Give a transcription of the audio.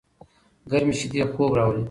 ګرمې شیدې خوب راولي.